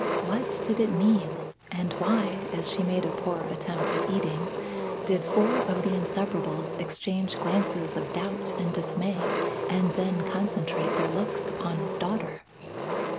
What did it mean? and why, as she made a poor attempt at eating, did four of the Inseparables exchange glances of doubt and dismay and then concentrate their looks upon his daughter?